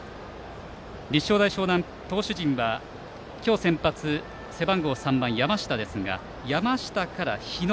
立正大淞南、投手陣は今日、先発は背番号３番の山下ですが山下から日野